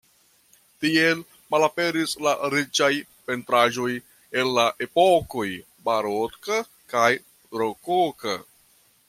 Tiel malaperis la riĉaj pentraĵoj el la epokoj baroka kaj rokoka.